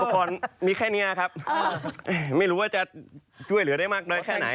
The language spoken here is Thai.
พอดีอุปกรณ์มีแค่นี้ครับไม่รู้จะช่วยเหลือได้มากแค่ไหน